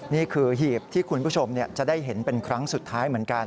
หีบที่คุณผู้ชมจะได้เห็นเป็นครั้งสุดท้ายเหมือนกัน